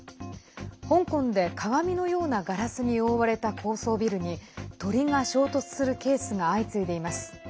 香港で鏡のようなガラスに覆われた高層ビルに鳥が衝突するケースが相次いでいます。